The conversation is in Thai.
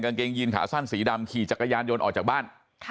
กางเกงยีนขาสั้นสีดำขี่จักรยานยนต์ออกจากบ้าน